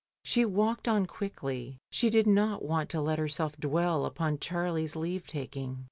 She walked on quickly; she did not want to let herself dwell upon Charlie's leave taking.